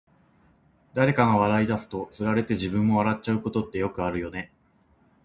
誰かが笑い出すと、つられて自分も笑っちゃうことってよくあるよね。